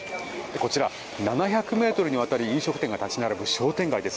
こちら、７００ｍにわたり飲食店が立ち並ぶ商店街です。